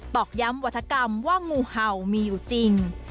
อกย้ำวัฒกรรมว่างูเห่ามีอยู่จริง